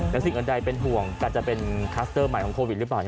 แต่สิ่งอื่นใดเป็นห่วงการจะเป็นคลัสเตอร์ใหม่ของโควิดหรือเปล่า